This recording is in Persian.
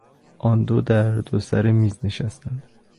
آن دو در دو سر میز نشستند.